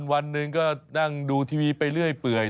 วันหนึ่งก็นั่งดูทีวีไปเรื่อยเปื่อย